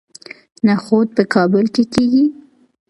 نخود په کابل کې کیږي